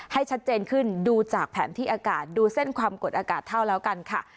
ให้ชัดเจนขึ้นดูจากแผนที่อากาศดูเส้นความกดอากาศเท่าแล้วกันค่ะ